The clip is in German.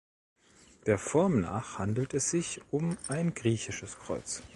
Der Form nach handelt es sich um ein griechisches Kreuz.